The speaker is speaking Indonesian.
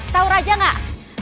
tau raja gak